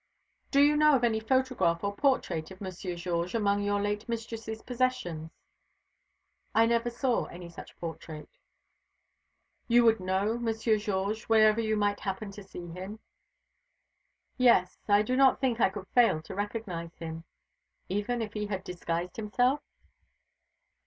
"Do you know of any photograph or portrait of Monsieur Georges among your late mistress's possessions?" "I never saw any such portrait." "You would know Monsieur Georges wherever you might happen to see him?" "Yes. I do not think I could fail to recognise him." "Even if he had disguised himself?"